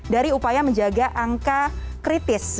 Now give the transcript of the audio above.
dari upaya menjaga angka kritis